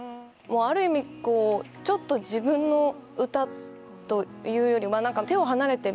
ある意味ちょっと自分の歌というより手を離れて。